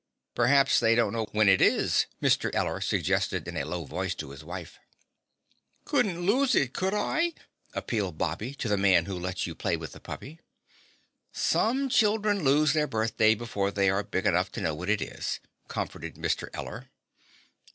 "Perhaps they don't know when it is," Mr. Eller suggested in a low voice to his wife. "Couldn't lose it, could I?" appealed Bobby to the Man Who Lets You Play with the Puppy. "Some children lose their birthday before they are big enough to know what it is," comforted Mr. Eller.